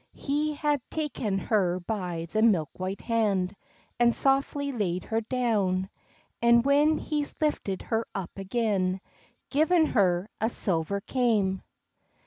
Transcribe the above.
He has taen her by the milk white hand, And softly laid her down, And when he's lifted her up again Given her a silver kaim.